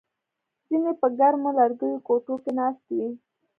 ځینې په ګرمو لرګیو کوټو کې ناست وي